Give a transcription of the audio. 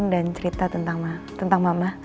dan cerita tentang mama